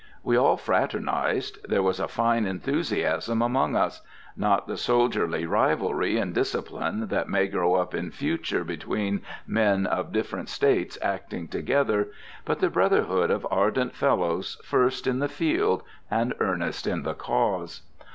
We all fraternized. There was a fine enthusiasm among us: not the soldierly rivalry in discipline that may grow up in future between men of different States acting together, but the brotherhood of ardent fellows first in the field and earnest in the cause.